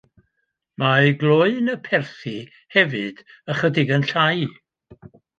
Mae glöyn y perthi, hefyd, ychydig yn llai.